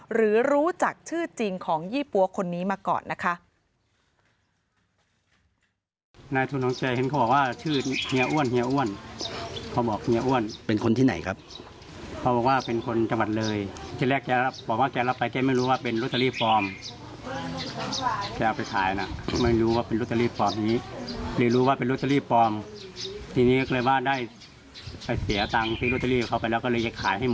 หรือรู้จักชื่อจริงของยี่ปั๊วคนนี้มาก่อนนะคะ